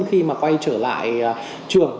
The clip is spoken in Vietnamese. khi mà quay trở lại trường